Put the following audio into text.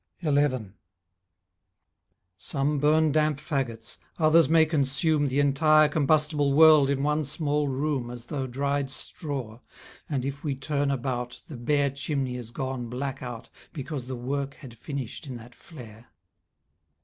11 Some burn damp fagots, others may consume The entire combustible world in one small room As though dried straw, and if we turn about The bare chimney is gone black out Because the work had finished in that flare.